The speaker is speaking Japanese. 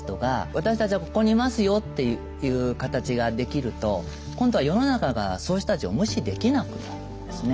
私たちはここにいますよっていう形ができると今度は世の中がそういう人たちを無視できなくなるんですね。